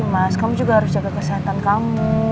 mas kamu juga harus jaga kesehatan kamu